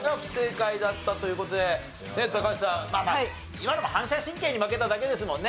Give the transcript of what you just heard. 今のも反射神経に負けただけですもんね。